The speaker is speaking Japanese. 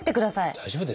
大丈夫ですか？